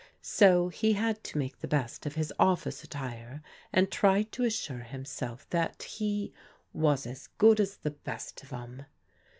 So he had to make the best of his office attire, and tried to assure himself that he " was as good as the best of em.